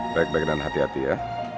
baik baik dan hati hati ya